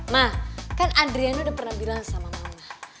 ma kan andriani udah pernah bilang sama mama